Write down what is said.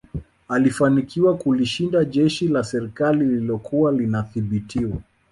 Alifanikiwa kulishinda jeshi la serikali lililokuwa linadhibitiwa